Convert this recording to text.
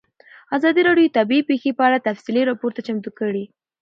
ازادي راډیو د طبیعي پېښې په اړه تفصیلي راپور چمتو کړی.